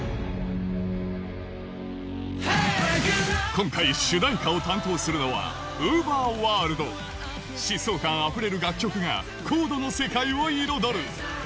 今回主題歌を担当するのは疾走感溢れる楽曲が『ＣＯＤＥ』の世界を彩る！